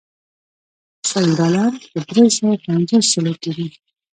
سل ډالر په درې سوه پنځوس شلو کېږي.